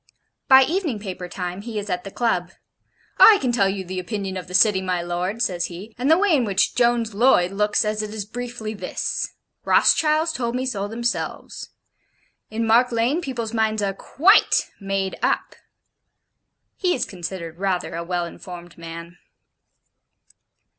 By evening paper time he is at the Club: 'I can tell you the opinion of the City, my lord,' says he, 'and the way in which Jones Loyd looks at it is briefly this: Rothschilds told me so themselves. In Mark Lane, people's minds are QUITE made up.' He is considered rather a well informed man.